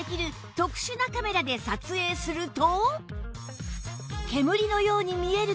特殊なカメラで撮影すると